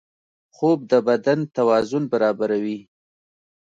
خوب د بدن توازن برابروي